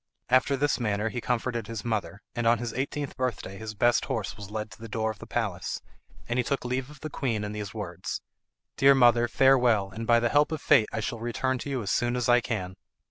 After this manner he comforted his mother, and on his eighteenth birthday his best horse was led to the door of the palace, and he took leave of the queen in these words, "Dear mother, farewell, and by the help of fate I shall return to you as soon as I can."